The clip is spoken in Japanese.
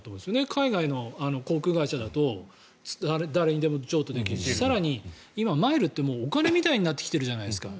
海外の航空会社だと誰にでも譲渡できるし更に、今、マイルってお金みたいになってきているじゃないですか。